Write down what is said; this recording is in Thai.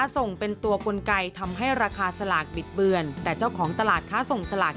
สลากบิดเบือนแต่เจ้าของตลาดค้าส่งสลาก